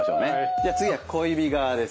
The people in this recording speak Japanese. じゃあ次は小指側です。